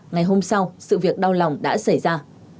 ngày hôm sau sự việc đau lòng đã xảy ra